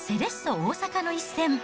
大阪の一戦。